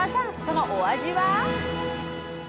そのお味は？